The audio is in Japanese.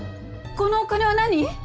このお金は何？